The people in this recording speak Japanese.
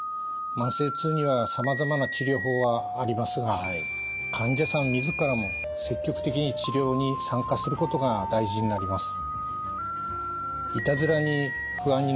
慢性痛にはさまざまな治療法はありますが患者さん自らも積極的に治療に参加することが大事になります。